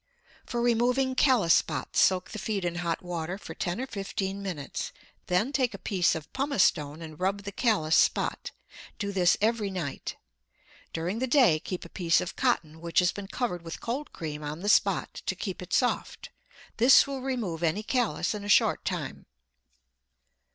For removing callous spots, soak the feet in hot water for ten or fifteen minutes, then take a piece of pumice stone and rub the callous spot. Do this every night. During the day keep a piece of cotton which has been covered with cold cream on the spot to keep it soft. This will remove any callous in a short time.